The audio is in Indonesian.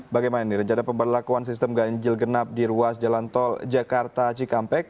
bagaimana ini rencana pemberlakuan sistem ganjil genap di ruas jalan tol jakarta cikampek